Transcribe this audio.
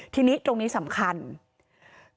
ที่นี่ตรงนี้สำคัญคือ